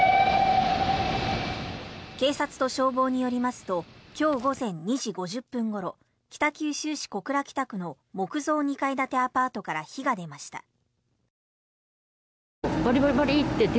警察と消防によりますと今日午前２時５０分ごろ北九州市小倉北区の木造２階建てアパートから火が出ました。